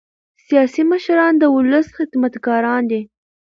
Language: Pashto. سیاسي مشران د ولس خدمتګاران دي